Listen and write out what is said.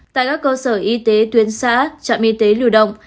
tại các cơ sở y tế tuyến xã trạm y tế lưu động